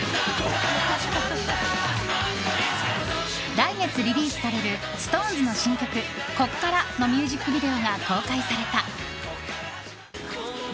来月リリースされるＳｉｘＴＯＮＥＳの新曲「こっから」のミュージックビデオが公開された。